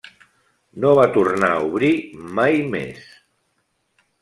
No va tornar a obrir mai més.